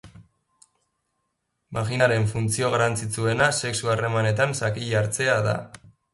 Baginaren funtzio garrantzitsuena sexu harremanetan zakila hartzea da.